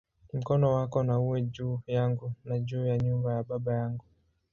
Mkono wako na uwe juu yangu, na juu ya nyumba ya baba yangu"!